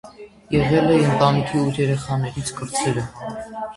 Եղել է ընտանիքի ութ երեխաներից կրտսերը։